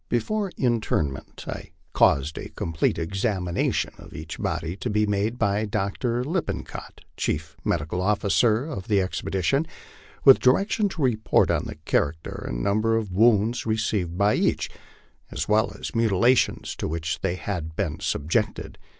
195 ' Before interment, I caused a complete examination of each body to be made by Dr. Lippincott, chief medical officer of the expedition, with direction to report on the character and number of wounds received by each, as well as to mutilations to which they had been subjected.